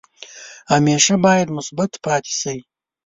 همیشه باید مثبت پاتې شئ.